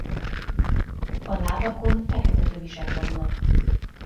A lábakon fekete tövisek vannak.